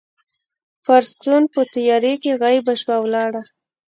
فرګوسن په تیارې کې غیبه شوه او ولاړه.